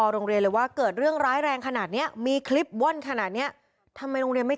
โรงเรียนเรียนเรื่องร้ายแรงขนาดมีคลิปวนขนาดนี้ทำไมไม่